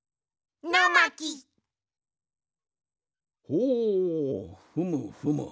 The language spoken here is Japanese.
ほうふむふむ。